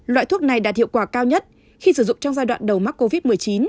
loại thuốc này đạt hiệu quả cao nhất khi sử dụng trong giai đoạn đầu mắc covid một mươi chín